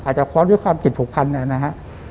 อาจจะค้อนด้วยความจิตผูกพันเนี่ยนะฮะ